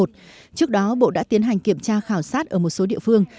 trước đó bộ đã tiến hành kiểm tra khảo sát ở một số địa phương